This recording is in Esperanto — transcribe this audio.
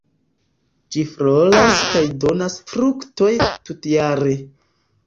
Ĝi floras kaj donas fruktojn tutjare.